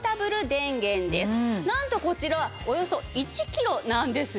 なんとこちらおよそ１キロなんです。